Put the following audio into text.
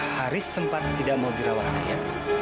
haris sempat tidak mau dirawat saya